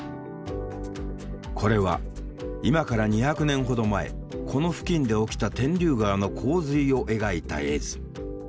これは今から２００年ほど前この付近で起きた天竜川の洪水を描いた絵図。